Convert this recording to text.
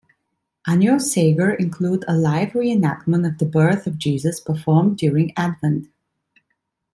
Annual sagre include a live re-enactment of the birth of Jesus performed during Advent.